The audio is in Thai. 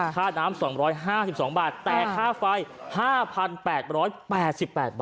ค่าน้ำ๒๕๒บาทแต่ค่าไฟ๕๘๘บาท